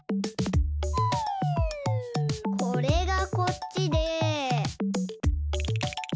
これがこっちで。